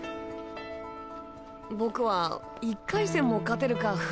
僕は１回戦も勝てるか不安で。